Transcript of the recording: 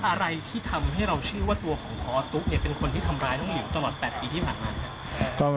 อะไรที่ทำให้เราเชื่อว่าตัวของพอตุ๊กเนี่ยเป็นคนที่ทำร้ายน้องหลิวตลอด๘ปีที่ผ่านมาครับ